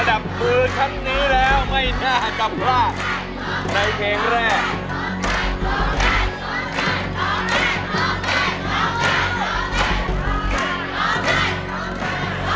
ระดับมือทั้งนี้แล้วไม่น่ากลับลากในเพลงแรก